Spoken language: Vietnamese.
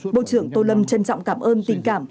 bộ trưởng tô lâm trân trọng cảm ơn tình cảm